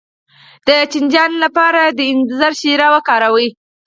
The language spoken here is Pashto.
د چینجیانو لپاره د انځر شیره وکاروئ